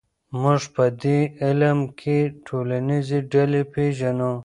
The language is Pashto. موږ په دې علم کې ټولنیزې ډلې پېژنو.